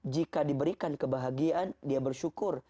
jika diberikan kebahagiaan dia bersyukur